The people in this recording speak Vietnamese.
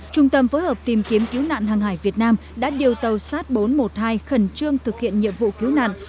trung tâm phối hợp tìm kiếm cứu nạn hàng hải việt nam đã điều tàu sir bốn trăm một mươi hai khẩn trương thực hiện nhiệm vụ cứu nạn